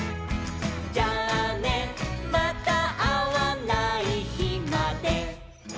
「じゃあねまたあわないひまで」